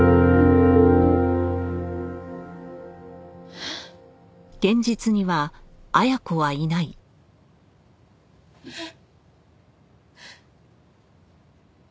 えっ？えっ。